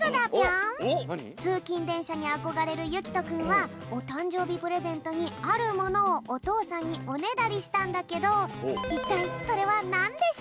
つうきんでんしゃにあこがれるゆきとくんはおたんじょうびプレゼントにあるものをおとうさんにおねだりしたんだけどいったいそれはなんでしょうか？